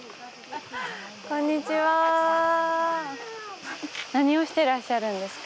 こんにちは何をしてらっしゃるんですか？